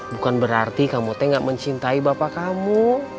bukan berarti kamu tenga mencintai bapak kamu